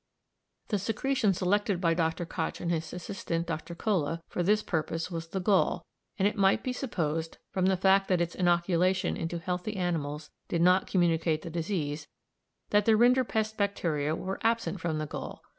The secretion selected by Dr. Koch and his assistant, Dr. Kolle, for this purpose was the gall, and it might be supposed, from the fact that its inoculation into healthy animals did not communicate the disease, that the rinderpest bacteria were absent from the gall.